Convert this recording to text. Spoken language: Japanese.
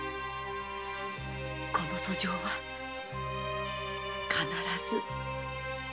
この訴状は必ず上様に。